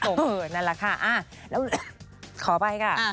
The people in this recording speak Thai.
เออนั่นแหละค่ะขอไปก่อน